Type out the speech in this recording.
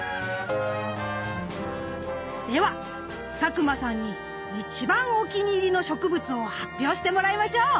では佐久間さんに一番お気に入りの植物を発表してもらいましょう！